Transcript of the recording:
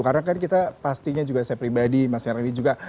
karena kan kita pastinya juga saya pribadi mas nyarwi juga